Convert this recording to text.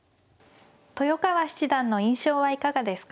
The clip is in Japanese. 豊川七段の印象はいかがですか。